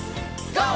ＧＯ！